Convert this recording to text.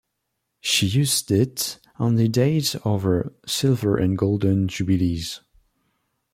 She used it on the days of her Silver and Golden Jubilees.